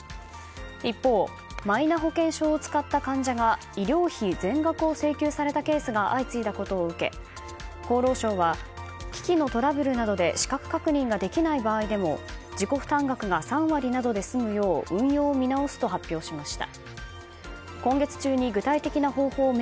一方マイナ保険証を使った患者が医療費全額を請求されたケースが相次いだことを受け、厚労省は機器のトラブルなどで資格確認ができない場合でも自己負担額が３割などで済むよう運用を見直すと発表しました。